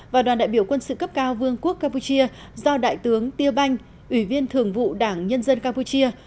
và đoàn đại biểu quân sự cấp cao vương quốc campuchia do đại tướng tia banh ủy viên thường vụ đảng nhân dân campuchia